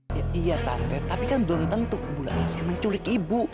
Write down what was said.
iya iya tante tapi kan belum tentu ibu laras yang menculik ibu